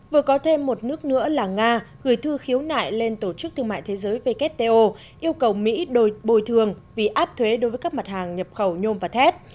vừa có thêm một nước nữa là nga gửi thư khiếu nại lên tổ chức thương mại thế giới wto yêu cầu mỹ đổi bồi thường vì áp thuế đối với các mặt hàng nhập khẩu nhôm và thép